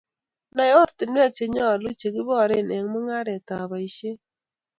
Nai oratinwek chenyolu che kiboree eng mung'aret ak boishet